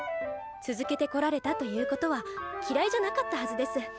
続けてこられたということは嫌いじゃなかったはずです。